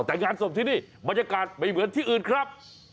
แต่งานศพที่นี่บรรยากาศไม่เหมือนที่อื่นครับ